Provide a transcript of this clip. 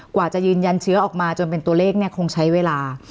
กว่าจะยืนยันเชื้อออกมาจนเป็นตัวเลขเนี่ยคงใช้เวลา